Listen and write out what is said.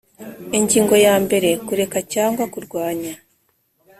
Ingingo ya mbere Kureka cyangwa kurwanya